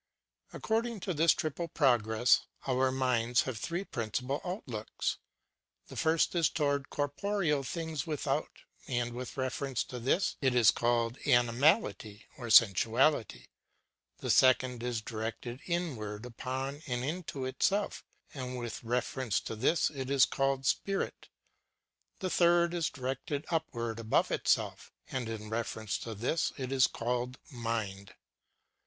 According to this triple progress, our minds have three princi pal outlooks. The first is toward corporeal things without, and with reference to this it is called animality or sensuality. The second is directed inward upon and into itself, and with refer ence to this it is called spirit. The third is directed upward above itself, and in reference to this it is called mind.